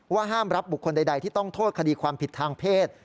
ห้ามรับบุคคลใดที่ต้องโทษคดีความผิดทางเพศ